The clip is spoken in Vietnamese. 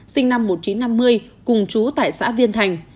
sinh năm một nghìn chín trăm năm mươi cùng chú tại xã viên thành